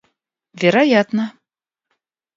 Вероятно!